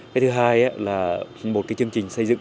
cái thứ hai là một chương trình xây dựng